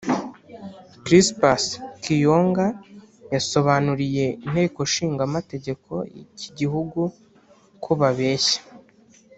Crispus Kiyonga yasobanuriye Inteko ishingamamtegeko y’iki gihugu ko babeshya